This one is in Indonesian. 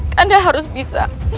kanda harus bisa